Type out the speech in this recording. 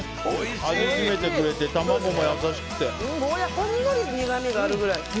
ほんのり苦みがあるくらい。